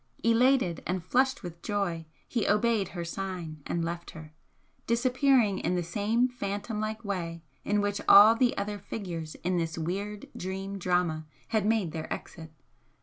Elated and flushed with joy, he obeyed her sign, and left her, disappearing in the same phantom like way in which all the other figures in this weird dream drama had made their exit.